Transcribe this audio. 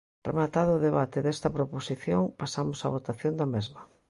Rematado o debate desta proposición, pasamos á votación da mesma.